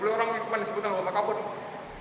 dua puluh orang itu kan disebutkan orang makamun